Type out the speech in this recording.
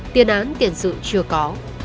tiền án tiền sự chưa có